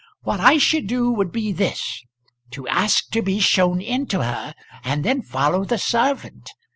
What I should do would be this; to ask to be shown in to her and then follow the servant.